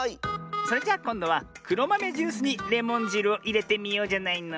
それじゃこんどはくろまめジュースにレモンじるをいれてみようじゃないの。